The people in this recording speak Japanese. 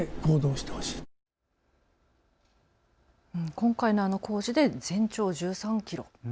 今回の工事で全長１３キロ。